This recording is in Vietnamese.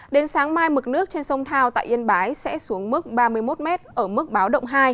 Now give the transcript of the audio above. đến sáng mai mực nước trên sông thao tại yên bái sẽ xuống mức ba mươi một m ở mức báo động hai